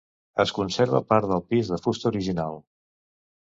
Es conserva part del pis de fusta original.